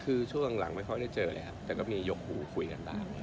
คือช่วงหลังไม่ค่อยได้เจอเลยครับแต่ก็มียกหูคุยกันบ้าง